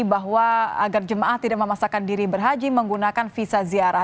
bahwa agar jemaah tidak memaksakan diri berhaji menggunakan visa ziarah